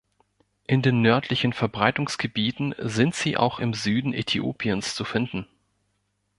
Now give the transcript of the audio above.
In den nördlichen Verbreitungsgebieten sind sie auch im Süden Äthiopiens zu finden.